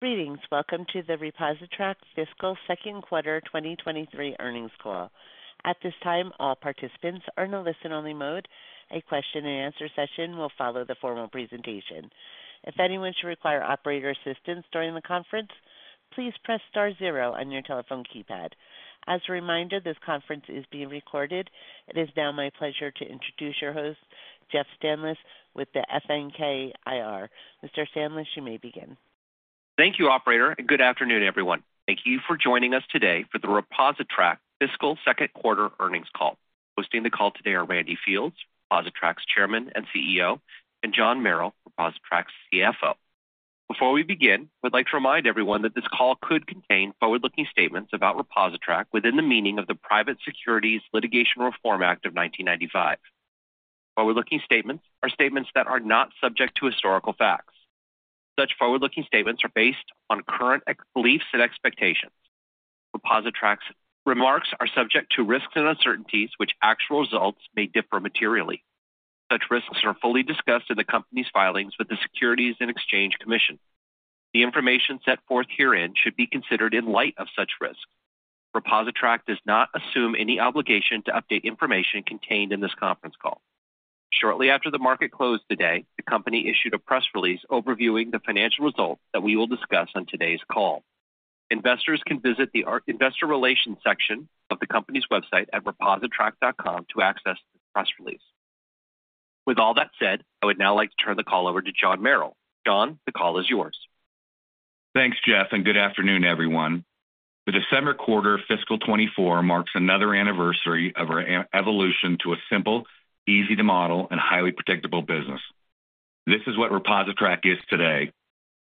Greetings. Welcome to the ReposiTrak Fiscal Second Quarter 2023 Earnings Call. At this time, all participants are in a listen-only mode. A question-and-answer session will follow the formal presentation. If anyone should require operator assistance during the conference, please press star zero on your telephone keypad. As a reminder, this conference is being recorded. It is now my pleasure to introduce your host, Jeff Stanlis, with the FNK IR. Mr. Stanlis, you may begin. Thank you, Operator, and good afternoon, everyone. Thank you for joining us today for the ReposiTrak Fiscal Second Quarter Earnings Call. Hosting the call today are Randy Fields, ReposiTrak's Chairman and CEO, and John Merrill, ReposiTrak's CFO. Before we begin, we'd like to remind everyone that this call could contain forward-looking statements about ReposiTrak within the meaning of the Private Securities Litigation Reform Act of 1995. Forward-looking statements are statements that are not subject to historical facts. Such forward-looking statements are based on current beliefs and expectations. ReposiTrak's remarks are subject to risks and uncertainties, which actual results may differ materially. Such risks are fully discussed in the company's filings with the Securities and Exchange Commission. The information set forth herein should be considered in light of such risks. ReposiTrak does not assume any obligation to update information contained in this conference call. Shortly after the market closed today, the company issued a press release overviewing the financial results that we will discuss on today's call. Investors can visit our Investor Relations section of the company's website at repositrak.com to access the press release. With all that said, I would now like to turn the call over to John Merrill. John, the call is yours. Thanks, Jeff, and good afternoon, everyone. The December quarter, fiscal 2024, marks another anniversary of our evolution to a simple, easy-to-model, and highly predictable business. This is what ReposiTrak is today.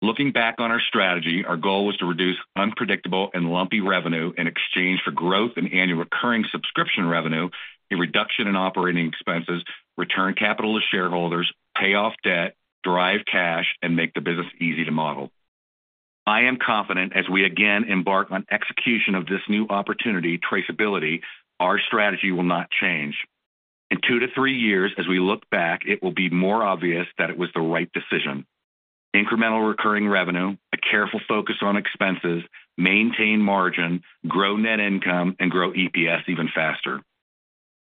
Looking back on our strategy, our goal was to reduce unpredictable and lumpy revenue in exchange for growth in annual recurring subscription revenue, a reduction in operating expenses, return capital to shareholders, pay off debt, drive cash, and make the business easy to model. I am confident as we again embark on execution of this new opportunity, traceability, our strategy will not change. In 2-3 years, as we look back, it will be more obvious that it was the right decision. Incremental recurring revenue, a careful focus on expenses, maintain margin, grow net income, and grow EPS even faster.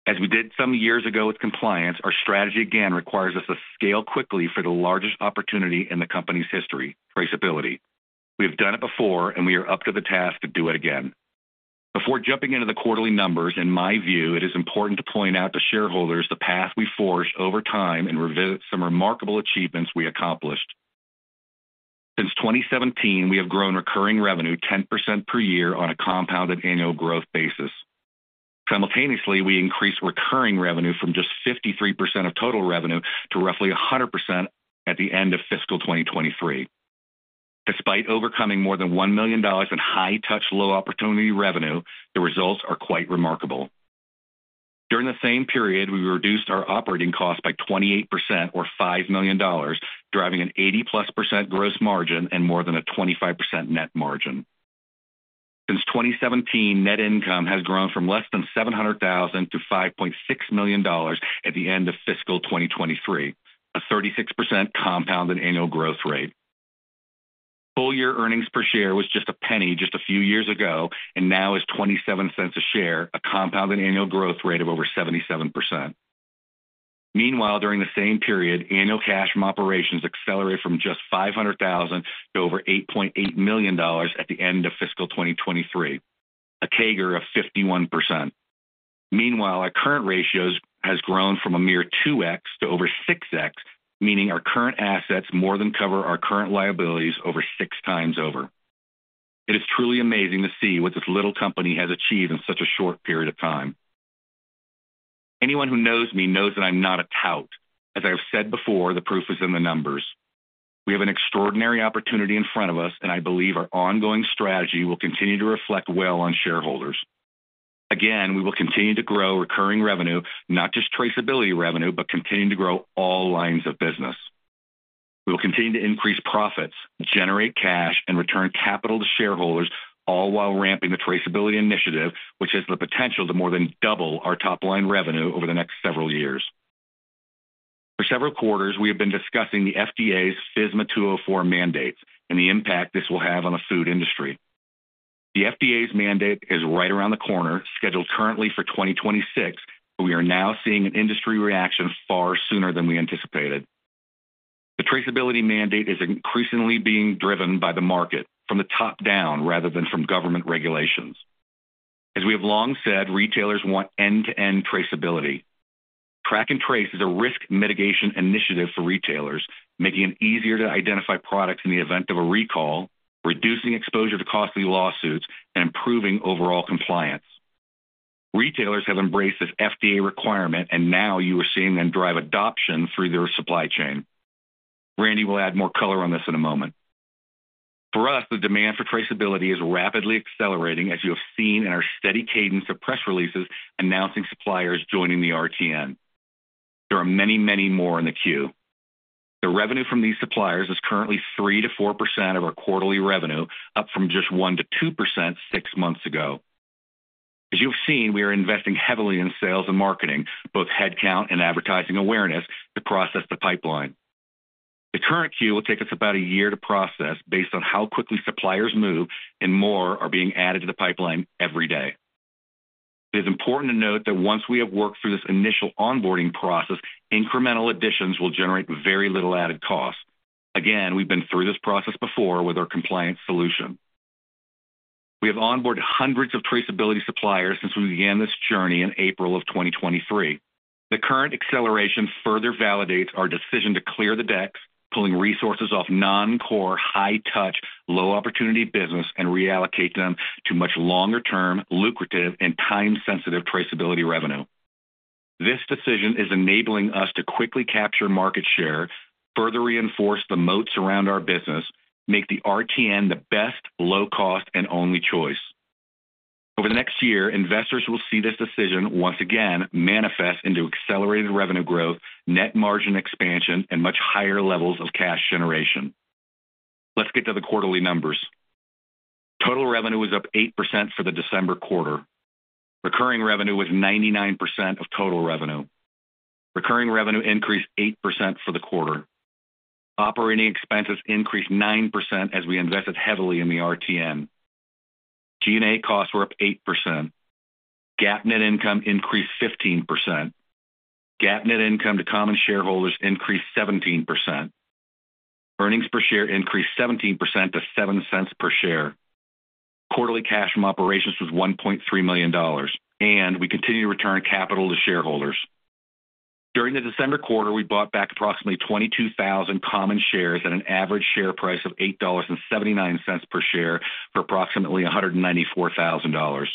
As we did some years ago with compliance, our strategy again requires us to scale quickly for the largest opportunity in the company's history, traceability. We have done it before, and we are up to the task to do it again. Before jumping into the quarterly numbers, in my view, it is important to point out to shareholders the path we forged over time and revisit some remarkable achievements we accomplished. Since 2017, we have grown recurring revenue 10% per year on a compounded annual growth basis. Simultaneously, we increased recurring revenue from just 53% of total revenue to roughly 100% at the end of fiscal 2023. Despite overcoming more than $1 million in high-touch, low-opportunity revenue, the results are quite remarkable. During the same period, we reduced our operating costs by 28% or $5 million, driving an 80+% gross margin and more than a 25% net margin. Since 2017, net income has grown from less than $700,000 to $5.6 million at the end of fiscal 2023, a 36% compounded annual growth rate. Full-year earnings per share was just $0.01 just a few years ago and now is $0.27 a share, a compounded annual growth rate of over 77%. Meanwhile, during the same period, annual cash from operations accelerated from just $500,000 to over $8.8 million at the end of fiscal 2023, a CAGR of 51%. Meanwhile, our current ratios has grown from a mere 2x to over 6x, meaning our current assets more than cover our current liabilities over six times over. It is truly amazing to see what this little company has achieved in such a short period of time. Anyone who knows me knows that I'm not a tout. As I have said before, the proof is in the numbers. We have an extraordinary opportunity in front of us, and I believe our ongoing strategy will continue to reflect well on shareholders. Again, we will continue to grow recurring revenue, not just traceability revenue, but continuing to grow all lines of business. We will continue to increase profits, generate cash, and return capital to shareholders, all while ramping the traceability initiative, which has the potential to more than double our top-line revenue over the next several years. For several quarters, we have been discussing the FDA's FSMA 204 mandate and the impact this will have on the food industry. The FDA's mandate is right around the corner, scheduled currently for 2026, but we are now seeing an industry reaction far sooner than we anticipated. The traceability mandate is increasingly being driven by the market from the top down, rather than from government regulations. As we have long said, retailers want end-to-end traceability. Track and trace is a risk mitigation initiative for retailers, making it easier to identify products in the event of a recall, reducing exposure to costly lawsuits, and improving overall compliance. Retailers have embraced this FDA requirement, and now you are seeing them drive adoption through their supply chain. Randy will add more color on this in a moment. For us, the demand for traceability is rapidly accelerating, as you have seen in our steady cadence of press releases announcing suppliers joining the RTN. There are many, many more in the queue. The revenue from these suppliers is currently 3%-4% of our quarterly revenue, up from just 1%-2% six months ago. As you've seen, we are investing heavily in sales and marketing, both headcount and advertising awareness, to process the pipeline. The current queue will take us about a year to process based on how quickly suppliers move, and more are being added to the pipeline every day. It is important to note that once we have worked through this initial onboarding process, incremental additions will generate very little added cost. Again, we've been through this process before with our compliance solution. We have onboarded hundreds of traceability suppliers since we began this journey in April 2023. The current acceleration further validates our decision to clear the decks, pulling resources off non-core, high-touch, low-opportunity business and reallocate them to much longer-term, lucrative, and time-sensitive traceability revenue. This decision is enabling us to quickly capture market share, further reinforce the moats around our business, make the RTN the best, low cost, and only choice. Over the next year, investors will see this decision once again manifest into accelerated revenue growth, net margin expansion, and much higher levels of cash generation. Let's get to the quarterly numbers. Total revenue was up 8% for the December quarter. Recurring revenue was 99% of total revenue. Recurring revenue increased 8% for the quarter. Operating expenses increased 9% as we invested heavily in the RTN. G&A costs were up 8%. GAAP net income increased 15%. GAAP net income to common shareholders increased 17%. Earnings per share increased 17% to $0.07 per share. Quarterly cash from operations was $1.3 million, and we continue to return capital to shareholders. During the December quarter, we bought back approximately 22,000 common shares at an average share price of $8.79 per share, for approximately $194,000.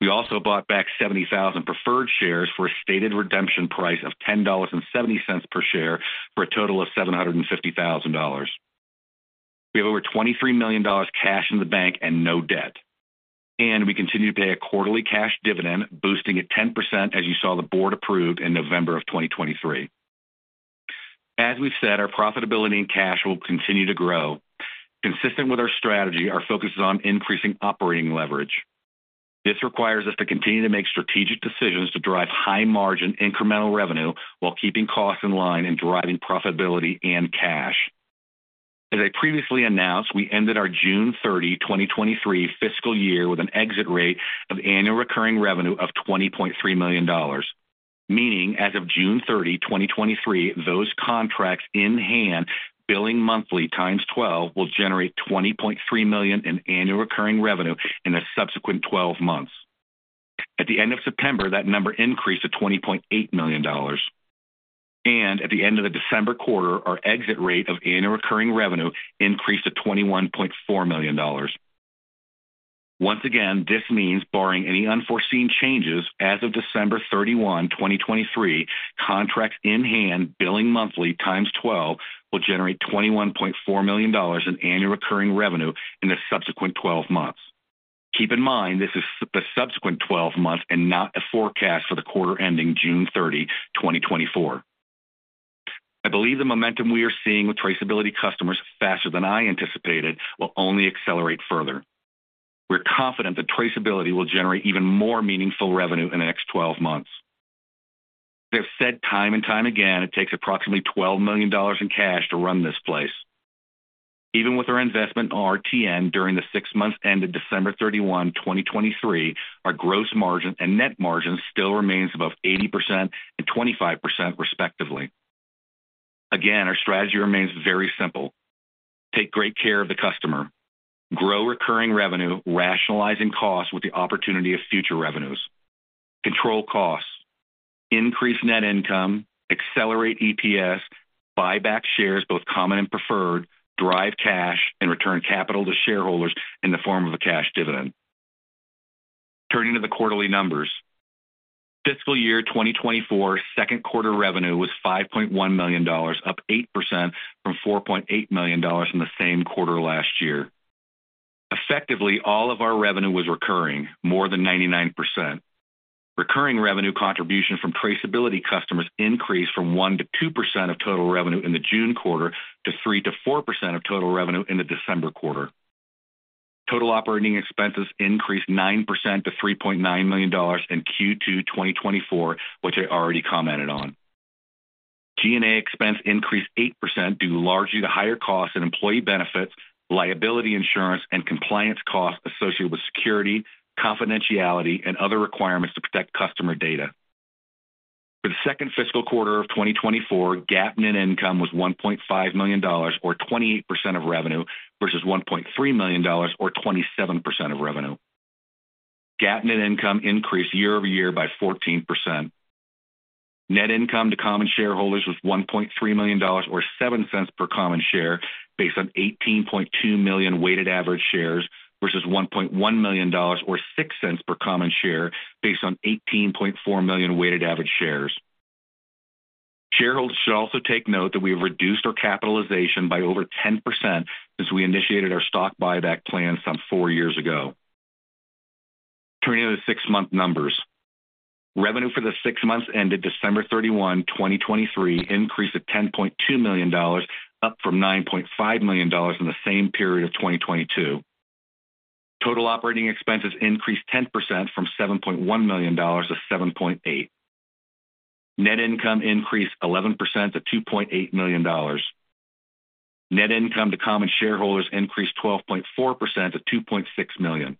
We also bought back 70,000 preferred shares for a stated redemption price of $10.70 per share, for a total of $750,000. We have over $23 million cash in the bank and no debt, and we continue to pay a quarterly cash dividend, boosting it 10%, as you saw the board approved in November 2023. As we've said, our profitability and cash will continue to grow. Consistent with our strategy, our focus is on increasing operating leverage. This requires us to continue to make strategic decisions to drive high-margin, incremental revenue while keeping costs in line and driving profitability and cash. As I previously announced, we ended our June 30, 2023 fiscal year with an exit rate of annual recurring revenue of $20.3 million, meaning as of June 30, 2023, those contracts in hand, billing monthly times 12, will generate $20.3 million in annual recurring revenue in the subsequent 12 months. At the end of September, that number increased to $20.8 million, and at the end of the December quarter, our exit rate of annual recurring revenue increased to $21.4 million. Once again, this means barring any unforeseen changes, as of December 31, 2023, contracts in hand, billing monthly times 12, will generate $21.4 million in annual recurring revenue in the subsequent 12 months. Keep in mind, this is the subsequent 12 months and not a forecast for the quarter ending June 30, 2024. I believe the momentum we are seeing with traceability customers, faster than I anticipated, will only accelerate further. We're confident that traceability will generate even more meaningful revenue in the next 12 months. We have said time and time again, it takes approximately $12 million in cash to run this place. Even with our investment in RTN during the six months ended December 31, 2023, our gross margin and net margin still remains above 80% and 25%, respectively. Again, our strategy remains very simple: Take great care of the customer, grow recurring revenue, rationalizing costs with the opportunity of future revenues, control costs, increase net income, accelerate EPS, buy back shares, both common and preferred, drive cash, and return capital to shareholders in the form of a cash dividend. Turning to the quarterly numbers. Fiscal year 2024 second quarter revenue was $5.1 million, up 8% from $4.8 million in the same quarter last year. Effectively, all of our revenue was recurring, more than 99%. Recurring revenue contribution from traceability customers increased from 1%-2% of total revenue in the June quarter to 3%-4% of total revenue in the December quarter. Total operating expenses increased 9% to $3.9 million in Q2 2024, which I already commented on. G&A expense increased 8%, due largely to higher costs and employee benefits, liability insurance, and compliance costs associated with security, confidentiality, and other requirements to protect customer data. For the second fiscal quarter of 2024, GAAP net income was $1.5 million, or 28% of revenue, versus $1.3 million or 27% of revenue. GAAP net income increased year-over-year by 14%. Net income to common shareholders was $1.3 million, or $0.07 per common share, based on 18.2 million weighted average shares, versus $1.1 million or $0.06 per common share, based on 18.4 million weighted average shares. Shareholders should also take note that we have reduced our capitalization by over 10% since we initiated our stock buyback plan some four years ago. Turning to the six-month numbers. Revenue for the six months ended December 31, 2023, increased to $10.2 million, up from $9.5 million in the same period of 2022. Total operating expenses increased 10% from $7.1 million to $7.8. Net income increased 11% to $2.8 million. Net income to common shareholders increased 12.4% to $2.6 million.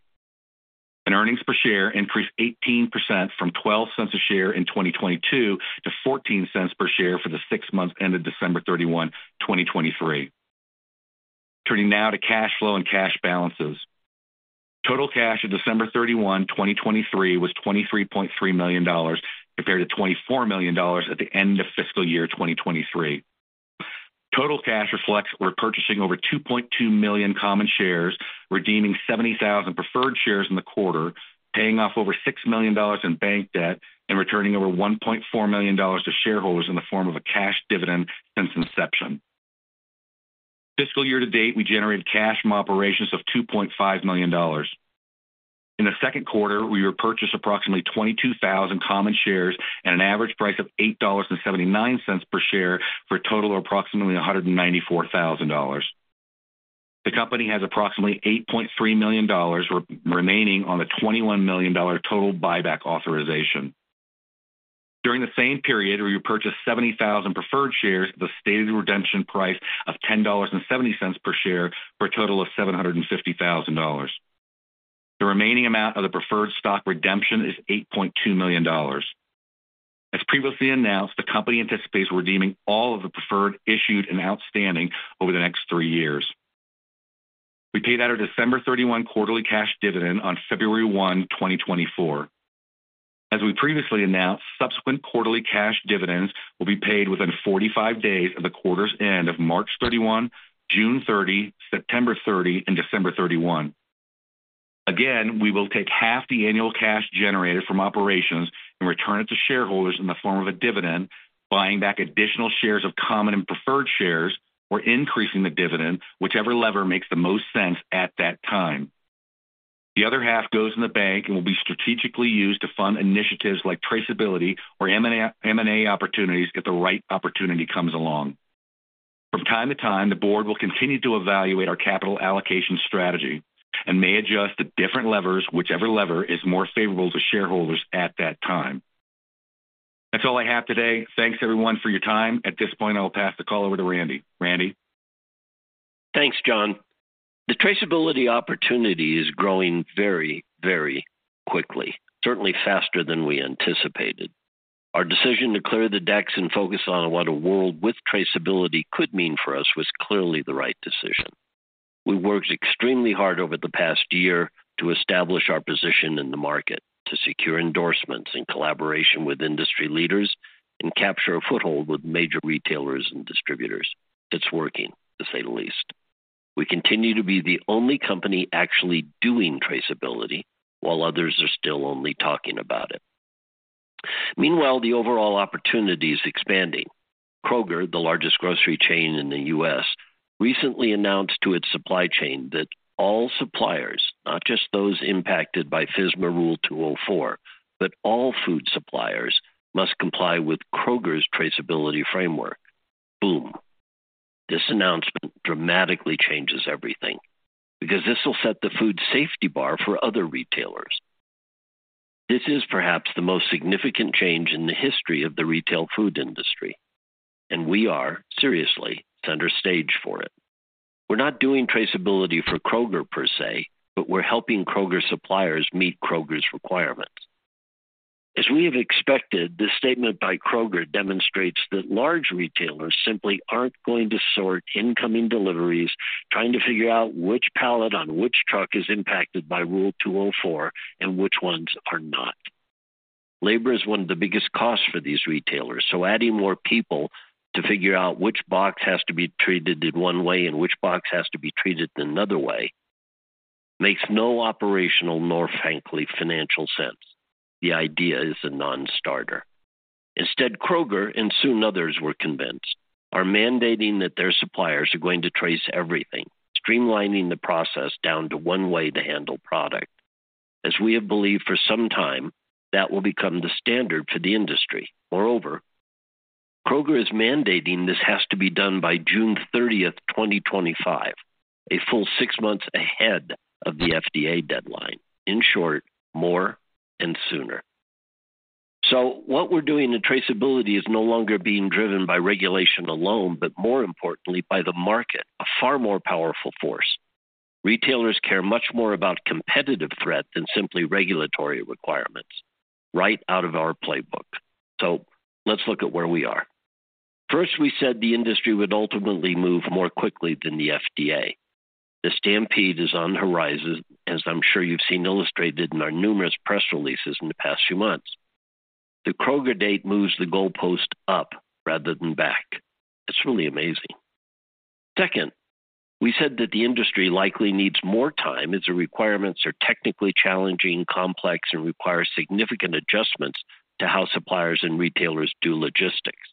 Earnings per share increased 18% from $0.12 per share in 2022 to $0.14 per share for the six months ended December 31, 2023. Turning now to cash flow and cash balances. Total cash at December 31, 2023, was $23.3 million, compared to $24 million at the end of fiscal year 2023. Total cash reflects repurchasing over 2.2 million common shares, redeeming 70,000 preferred shares in the quarter, paying off over $6 million in bank debt, and returning over $1.4 million to shareholders in the form of a cash dividend since inception. Fiscal year to date, we generated cash from operations of $2.5 million. In the second quarter, we repurchased approximately 22,000 common shares at an average price of $8.79 per share, for a total of approximately $194,000. The company has approximately $8.3 million remaining on the $21 million total buyback authorization. During the same period, we repurchased 70,000 preferred shares at the stated redemption price of $10.70 per share, for a total of $750,000. The remaining amount of the preferred stock redemption is $8.2 million. As previously announced, the company anticipates redeeming all of the preferred, issued, and outstanding over the next three years. We paid out our December 31 quarterly cash dividend on February 1, 2024. As we previously announced, subsequent quarterly cash dividends will be paid within 45 days of the quarter's end of March 31, June 30, September 30, and December 31. Again, we will take half the annual cash generated from operations and return it to shareholders in the form of a dividend, buying back additional shares of common and preferred shares, or increasing the dividend, whichever lever makes the most sense at that time. The other half goes in the bank and will be strategically used to fund initiatives like traceability or M&A, M&A opportunities if the right opportunity comes along. From time to time, the board will continue to evaluate our capital allocation strategy and may adjust the different levers, whichever lever is more favorable to shareholders at that time. That's all I have today. Thanks, everyone, for your time. At this point, I will pass the call over to Randy. Randy? Thanks, John. The traceability opportunity is growing very, very quickly, certainly faster than we anticipated. Our decision to clear the decks and focus on what a world with traceability could mean for us was clearly the right decision. We worked extremely hard over the past year to establish our position in the market, to secure endorsements and collaboration with industry leaders, and capture a foothold with major retailers and distributors. It's working, to say the least. We continue to be the only company actually doing traceability, while others are still only talking about it. Meanwhile, the overall opportunity is expanding. Kroger, the largest grocery chain in the U.S., recently announced to its supply chain that all suppliers, not just those impacted by FSMA Rule 204, but all food suppliers, must comply with Kroger's traceability framework. Boom! This announcement dramatically changes everything, because this will set the food safety bar for other retailers. This is perhaps the most significant change in the history of the retail food industry, and we are, seriously, center stage for it. We're not doing traceability for Kroger per se, but we're helping Kroger suppliers meet Kroger's requirements. As we have expected, this statement by Kroger demonstrates that large retailers simply aren't going to sort incoming deliveries, trying to figure out which pallet on which truck is impacted by Rule 204 and which ones are not. Labor is one of the biggest costs for these retailers, so adding more people to figure out which box has to be treated in one way and which box has to be treated in another way, makes no operational nor, frankly, financial sense. The idea is a non-starter. Instead, Kroger, and soon others we're convinced, are mandating that their suppliers are going to trace everything, streamlining the process down to one way to handle product. As we have believed for some time, that will become the standard for the industry. Moreover, Kroger is mandating this has to be done by June 30, 2025, a full six months ahead of the FDA deadline. In short, more and sooner. So what we're doing in traceability is no longer being driven by regulation alone, but more importantly, by the market, a far more powerful force. Retailers care much more about competitive threat than simply regulatory requirements. Right out of our playbook. So let's look at where we are. First, we said the industry would ultimately move more quickly than the FDA. The stampede is on the horizon, as I'm sure you've seen illustrated in our numerous press releases in the past few months. The Kroger date moves the goalpost up rather than back. It's really amazing. Second, we said that the industry likely needs more time, as the requirements are technically challenging, complex, and require significant adjustments to how suppliers and retailers do logistics...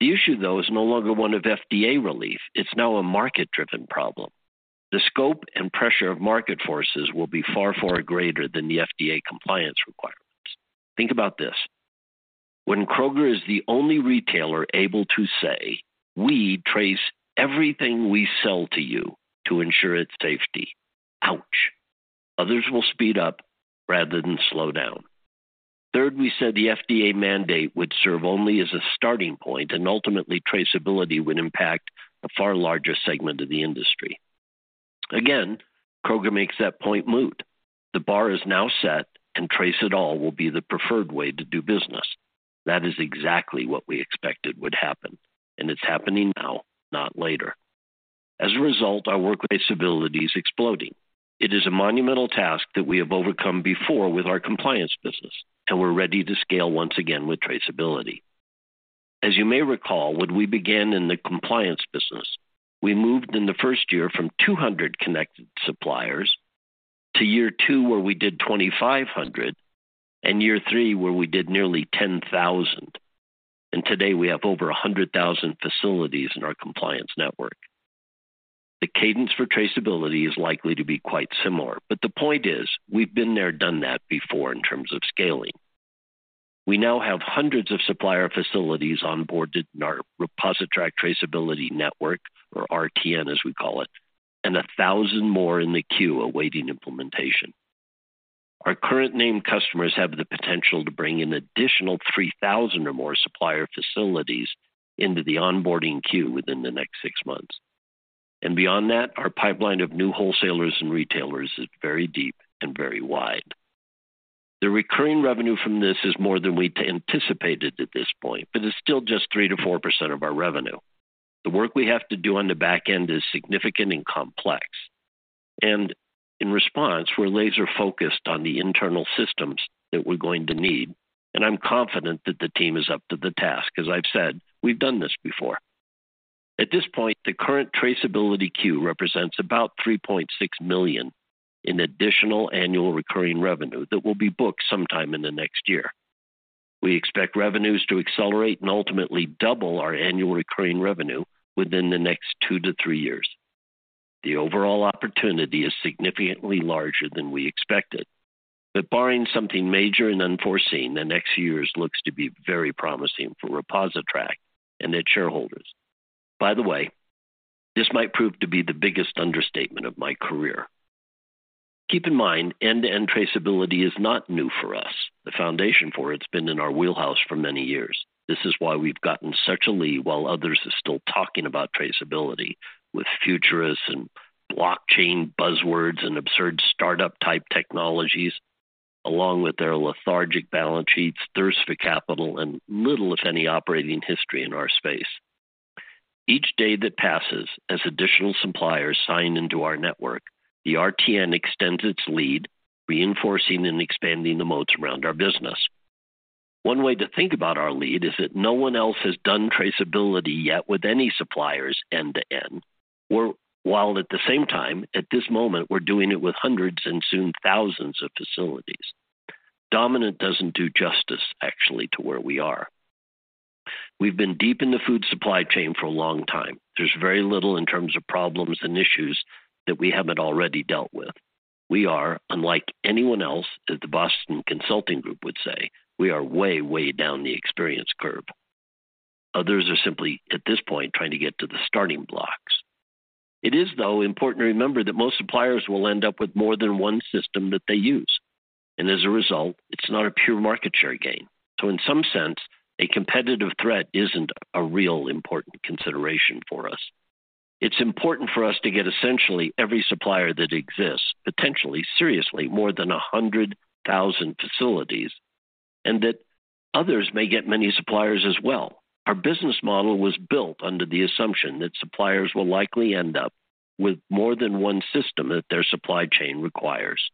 The issue, though, is no longer one of FDA relief. It's now a market-driven problem. The scope and pressure of market forces will be far, far greater than the FDA compliance requirements. Think about this: when Kroger is the only retailer able to say, "We trace everything we sell to you to ensure its safety," ouch! Others will speed up rather than slow down. Third, we said the FDA mandate would serve only as a starting point, and ultimately, traceability would impact a far larger segment of the industry. Again, Kroger makes that point moot. The bar is now set, and trace-it-all will be the preferred way to do business. That is exactly what we expected would happen, and it's happening now, not later. As a result, our work traceability is exploding. It is a monumental task that we have overcome before with our compliance business, and we're ready to scale once again with traceability. As you may recall, when we began in the compliance business, we moved in the first year from 200 connected suppliers to year two, where we did 2,500, and year three, where we did nearly 10,000, and today we have over 100,000 facilities in our compliance network. The cadence for traceability is likely to be quite similar, but the point is, we've been there, done that before in terms of scaling. We now have hundreds of supplier facilities onboarded in our ReposiTrak Traceability Network, or RTN, as we call it, and 1,000 more in the queue awaiting implementation. Our current named customers have the potential to bring an additional 3,000 or more supplier facilities into the onboarding queue within the next six months. And beyond that, our pipeline of new wholesalers and retailers is very deep and very wide. The recurring revenue from this is more than we'd anticipated at this point, but it's still just 3%-4% of our revenue. The work we have to do on the back end is significant and complex, and in response, we're laser-focused on the internal systems that we're going to need, and I'm confident that the team is up to the task. As I've said, we've done this before. At this point, the current traceability queue represents about $3.6 million in additional annual recurring revenue that will be booked sometime in the next year. We expect revenues to accelerate and ultimately double our annual recurring revenue within the next 2-3 years. The overall opportunity is significantly larger than we expected, but barring something major and unforeseen, the next few years looks to be very promising for ReposiTrak and its shareholders. By the way, this might prove to be the biggest understatement of my career. Keep in mind, end-to-end traceability is not new for us. The foundation for it's been in our wheelhouse for many years. This is why we've gotten such a lead while others are still talking about traceability with futurists and blockchain buzzwords and absurd startup-type technologies, along with their lethargic balance sheets, thirst for capital, and little, if any, operating history in our space. Each day that passes, as additional suppliers sign into our network, the RTN extends its lead, reinforcing and expanding the moats around our business. One way to think about our lead is that no one else has done traceability yet with any suppliers end-to-end, where, while at the same time, at this moment, we're doing it with hundreds and soon thousands of facilities. Dominant doesn't do justice actually to where we are. We've been deep in the food supply chain for a long time. There's very little in terms of problems and issues that we haven't already dealt with. We are, unlike anyone else, as the Boston Consulting Group would say, we are way, way down the experience curve. Others are simply, at this point, trying to get to the starting blocks. It is, though, important to remember that most suppliers will end up with more than one system that they use, and as a result, it's not a pure market share gain. So in some sense, a competitive threat isn't a real important consideration for us. It's important for us to get essentially every supplier that exists, potentially, seriously, more than 100,000 facilities, and that others may get many suppliers as well. Our business model was built under the assumption that suppliers will likely end up with more than one system that their supply chain requires.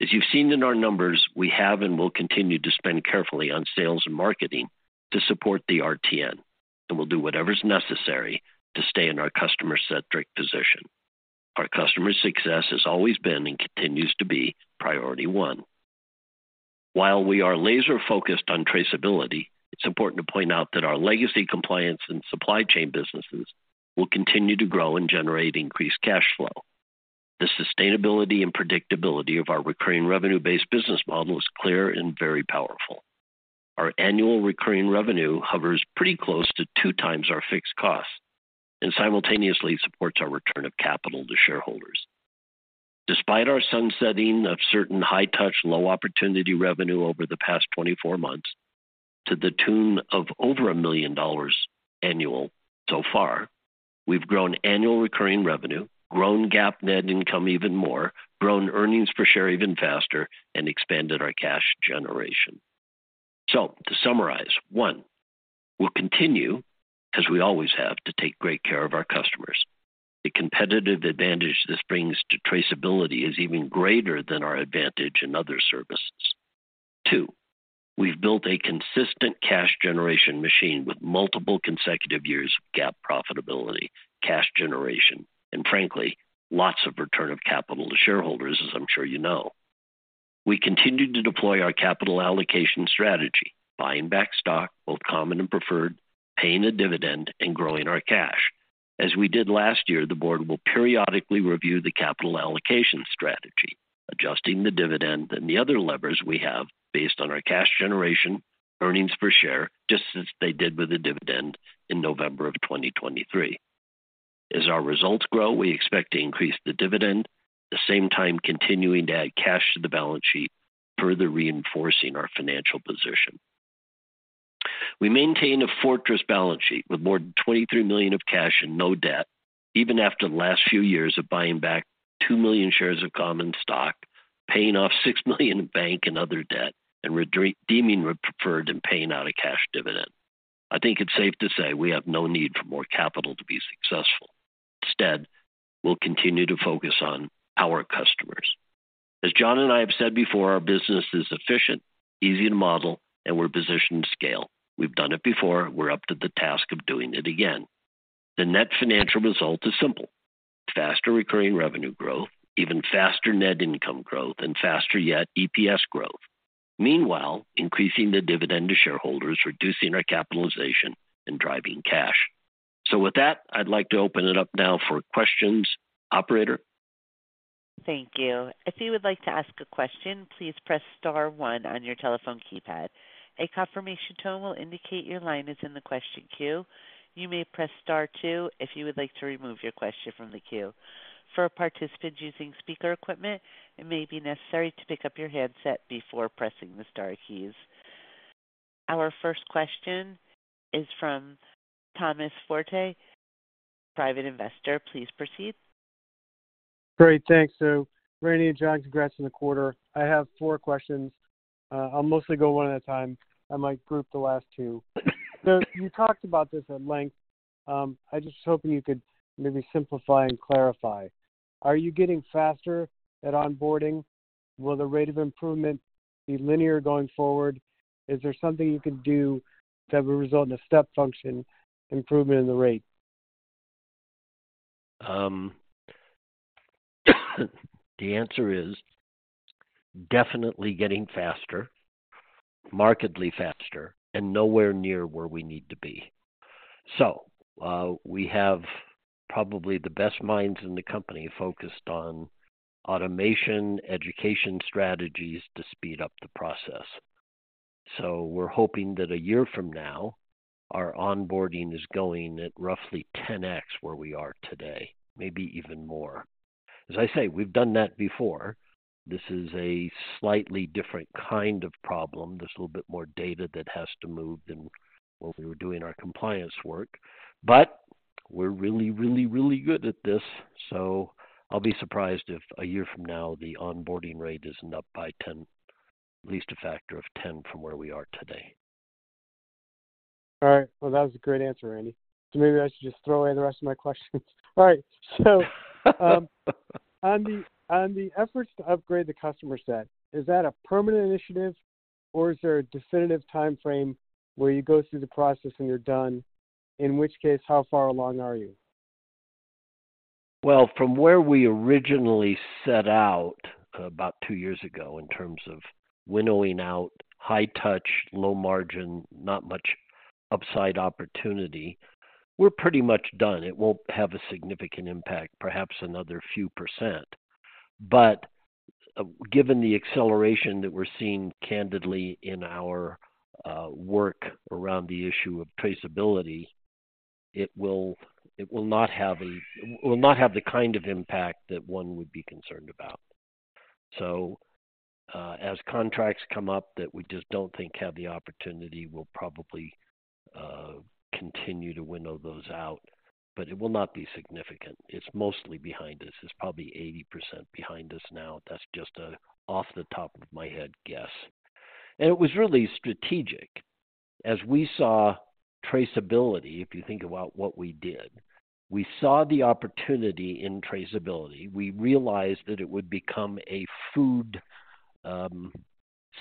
As you've seen in our numbers, we have and will continue to spend carefully on sales and marketing to support the RTN, and we'll do whatever's necessary to stay in our customer-centric position. Our customer success has always been and continues to be priority one. While we are laser-focused on traceability, it's important to point out that our legacy, compliance, and supply chain businesses will continue to grow and generate increased cash flow. The sustainability and predictability of our recurring revenue-based business model is clear and very powerful. Our annual recurring revenue hovers pretty close to two times our fixed cost and simultaneously supports our return of capital to shareholders. Despite our sunsetting of certain high-touch, low-opportunity revenue over the past 24 months, to the tune of over $1 million annual so far, we've grown annual recurring revenue, grown GAAP net income even more, grown earnings per share even faster, and expanded our cash generation. So to summarize, one, we'll continue, as we always have, to take great care of our customers. The competitive advantage this brings to traceability is even greater than our advantage in other services. Two, we've built a consistent cash generation machine with multiple consecutive years of GAAP profitability, cash generation, and frankly, lots of return of capital to shareholders, as I'm sure you know. We continued to deploy our capital allocation strategy, buying back stock, both common and preferred, paying a dividend, and growing our cash. As we did last year, the board will periodically review the capital allocation strategy, adjusting the dividend and the other levers we have based on our cash generation, earnings per share, just as they did with the dividend in November 2023. As our results grow, we expect to increase the dividend, at the same time continuing to add cash to the balance sheet, further reinforcing our financial position. We maintain a fortress balance sheet with more than $23 million of cash and no debt, even after the last few years of buying back 2 million shares of common stock, paying off $6 million in bank and other debt, and redeeming preferred and paying out a cash dividend. I think it's safe to say we have no need for more capital to be successful. Instead, we'll continue to focus on our customers. As John and I have said before, our business is efficient, easy to model, and we're positioned to scale. We've done it before. We're up to the task of doing it again. The net financial result is simple: faster recurring revenue growth, even faster net income growth, and faster yet EPS growth. Meanwhile, increasing the dividend to shareholders, reducing our capitalization, and driving cash. So with that, I'd like to open it up now for questions. Operator? Thank you. If you would like to ask a question, please press star one on your telephone keypad. A confirmation tone will indicate your line is in the question queue. You may press star two if you would like to remove your question from the queue. For participants using speaker equipment, it may be necessary to pick up your handset before pressing the star keys. Our first question is from Thomas Forte, private investor. Please proceed. Great, thanks. So Randy and John, congrats on the quarter. I have four questions. I'll mostly go one at a time. I might group the last two. So you talked about this at length, I just hoping you could maybe simplify and clarify. Are you getting faster at onboarding? Will the rate of improvement be linear going forward? Is there something you can do that will result in a step function improvement in the rate? The answer is definitely getting faster, markedly faster, and nowhere near where we need to be. So, we have probably the best minds in the company focused on automation, education strategies to speed up the process. So we're hoping that a year from now, our onboarding is going at roughly 10x where we are today, maybe even more. As I say, we've done that before. This is a slightly different kind of problem. There's a little bit more data that has to move than when we were doing our compliance work, but we're really, really, really good at this, so I'll be surprised if a year from now, the onboarding rate isn't up by 10-- at least a factor of 10 from where we are today. All right. Well, that was a great answer, Randy. So maybe I should just throw away the rest of my questions. All right. So, on the, on the efforts to upgrade the customer set, is that a permanent initiative, or is there a definitive timeframe where you go through the process and you're done? In which case, how far along are you? Well, from where we originally set out about two years ago in terms of winnowing out high touch, low margin, not much upside opportunity, we're pretty much done. It won't have a significant impact, perhaps another few percent. But, given the acceleration that we're seeing candidly in our, work around the issue of traceability, it will not have the kind of impact that one would be concerned about. So, as contracts come up that we just don't think have the opportunity, we'll probably, continue to winnow those out, but it will not be significant. It's mostly behind us. It's probably 80% behind us now. That's just an off the top of my head guess. And it was really strategic. As we saw traceability, if you think about what we did, we saw the opportunity in traceability. We realized that it would become a food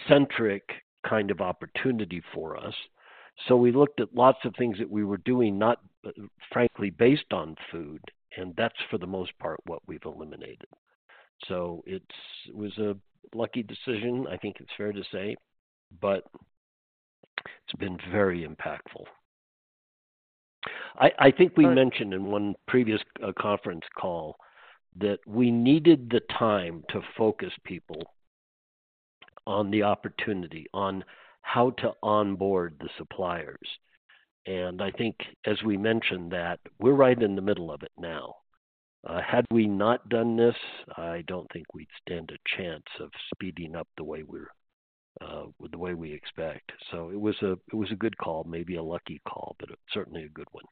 centric kind of opportunity for us. So we looked at lots of things that we were doing, not frankly based on food, and that's for the most part what we've eliminated. So it was a lucky decision, I think it's fair to say, but it's been very impactful. I think we mentioned in one previous conference call that we needed the time to focus people on the opportunity, on how to onboard the suppliers. And I think as we mentioned that we're right in the middle of it now. Had we not done this, I don't think we'd stand a chance of speeding up the way we expect. So it was a good call, maybe a lucky call, but certainly a good one.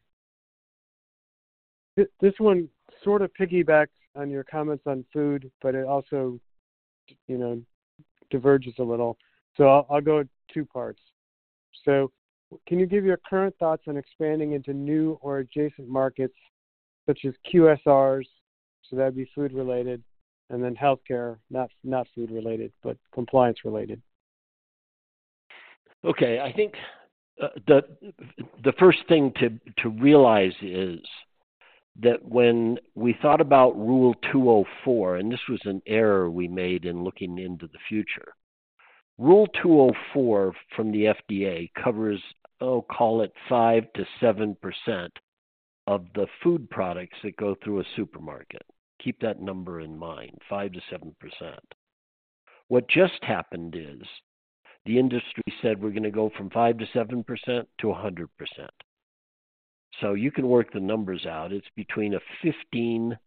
This, this one sort of piggybacks on your comments on food, but it also, you know, diverges a little. So I'll, I'll go two parts. So can you give your current thoughts on expanding into new or adjacent markets such as QSRs, so that'd be food-related, and then healthcare, not, not food-related, but compliance-related? ...Okay, I think the first thing to realize is that when we thought about Rule 204, and this was an error we made in looking into the future. Rule 204 from the FDA covers, oh, call it 5%-7% of the food products that go through a supermarket. Keep that number in mind, 5%-7%. What just happened is the industry said we're gonna go from 5%-7% to 100%. So you can work the numbers out. It's between a 15-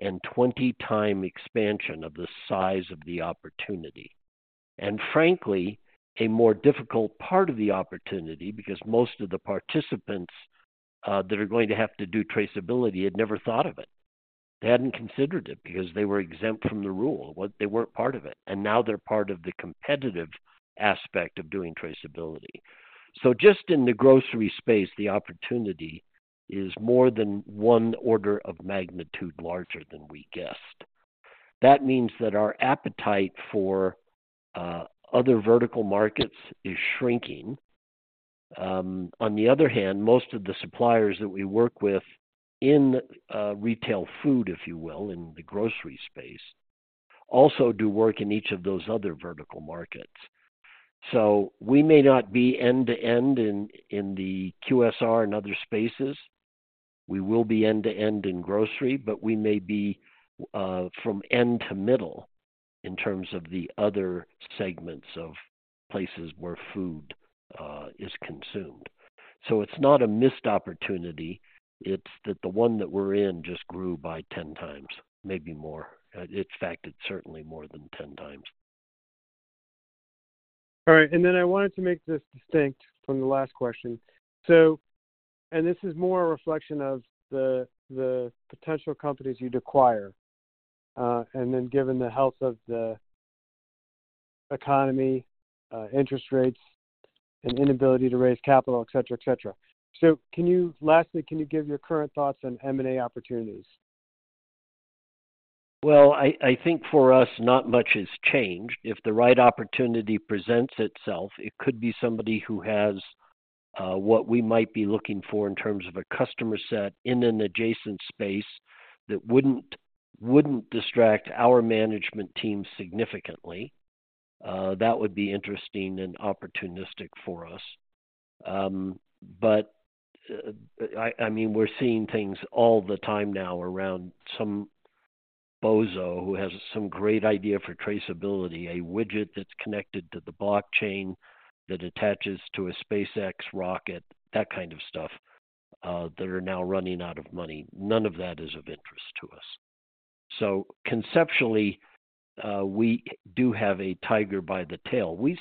and 20-time expansion of the size of the opportunity, and frankly, a more difficult part of the opportunity because most of the participants that are going to have to do traceability had never thought of it. They hadn't considered it because they were exempt from the rule, they weren't part of it, and now they're part of the competitive aspect of doing traceability. So just in the grocery space, the opportunity is more than one order of magnitude larger than we guessed. That means that our appetite for other vertical markets is shrinking. On the other hand, most of the suppliers that we work with in retail food, if you will, in the grocery space, also do work in each of those other vertical markets. So we may not be end-to-end in the QSR and other spaces. We will be end-to-end in grocery, but we may be from end to middle in terms of the other segments of places where food is consumed. So it's not a missed opportunity, it's that the one that we're in just grew by 10 times, maybe more. In fact, it's certainly more than 10 times. All right, and then I wanted to make this distinct from the last question. So, this is more a reflection of the potential companies you'd acquire, and then given the health of the economy, interest rates, and inability to raise capital, et cetera, et cetera. Lastly, can you give your current thoughts on M&A opportunities? Well, I think for us, not much has changed. If the right opportunity presents itself, it could be somebody who has what we might be looking for in terms of a customer set in an adjacent space that wouldn't distract our management team significantly, that would be interesting and opportunistic for us. But, I mean, we're seeing things all the time now around some bozo who has some great idea for traceability, a widget that's connected to the blockchain, that attaches to a SpaceX rocket, that kind of stuff, that are now running out of money. None of that is of interest to us. So conceptually, we do have a tiger by the tail. We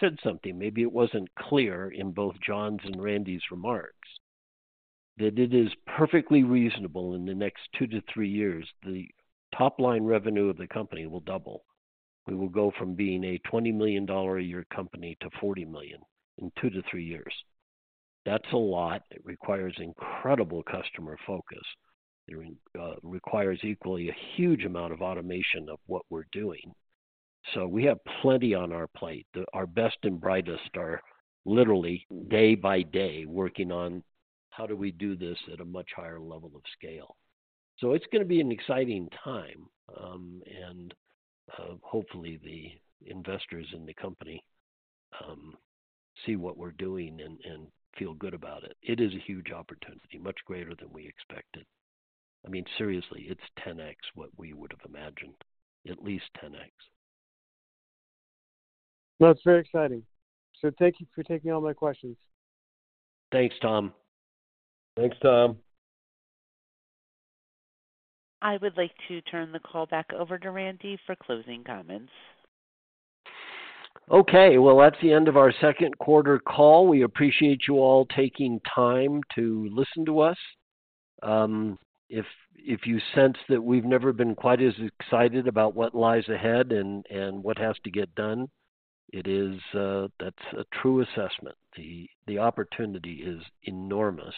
said something, maybe it wasn't clear in both John's and Randy's remarks, that it is perfectly reasonable in the next 2-3 years, the top-line revenue of the company will double. We will go from being a $20 million-a-year company to $40 million in 2-3 years. That's a lot. It requires incredible customer focus. It requires equally a huge amount of automation of what we're doing. So we have plenty on our plate. Our best and brightest are literally day by day working on how do we do this at a much higher level of scale. So it's gonna be an exciting time, and hopefully, the investors in the company see what we're doing and feel good about it. It is a huge opportunity, much greater than we expected. I mean, seriously, it's 10x what we would have imagined, at least 10x. Well, that's very exciting. So thank you for taking all my questions. Thanks, Tom. Thanks, Tom. I would like to turn the call back over to Randy for closing comments. Okay, well, that's the end of our second quarter call. We appreciate you all taking time to listen to us. If you sense that we've never been quite as excited about what lies ahead and what has to get done, it is, that's a true assessment. The opportunity is enormous.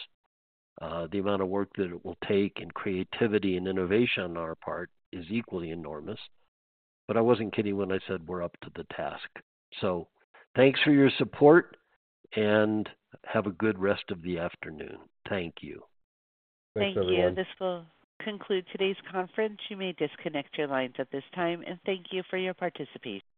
The amount of work that it will take and creativity and innovation on our part is equally enormous, but I wasn't kidding when I said we're up to the task. So thanks for your support, and have a good rest of the afternoon. Thank you. Thanks, everyone. Thank you. This will conclude today's conference. You may disconnect your lines at this time, and thank you for your participation.